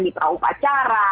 di perawak acara